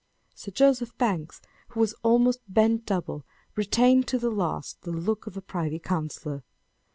Sir Joseph Banks, who was almost bent double, retained to the last the look of a privy councillor.